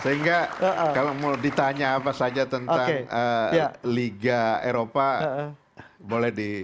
sehingga kalau mau ditanya apa saja tentang liga eropa boleh di